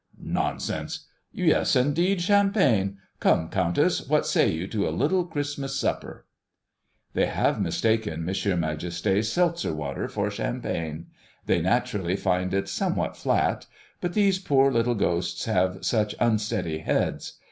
"Nonsense!" "Yes, indeed, champagne. Come, Countess, what say you to a little Christmas supper?" They have mistaken M. Majesté's seltzer water for champagne. They naturally find it somewhat flat. But these poor little ghosts have such unsteady heads!